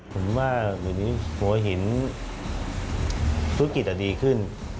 ผมว่าหัวหินธุรกิจล่ะดีขึ้น